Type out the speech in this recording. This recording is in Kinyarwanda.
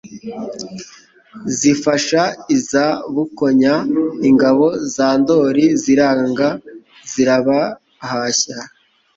zifasha iza Bukonya. Ingabo za Ndoli ziranga zirabahashya